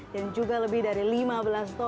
dan juga lebih dari lima belas top